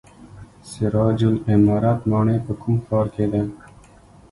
سراج العمارت ماڼۍ په کوم ښار کې ده؟